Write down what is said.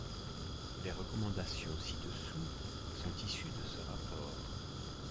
Les recommandations ci-dessous sont issues de ce rapport.